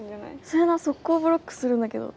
それなソッコーブロックするんだけど。